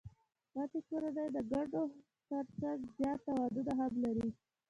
غټي کورنۍ د ګټو ترڅنګ زیات تاوانونه هم لري.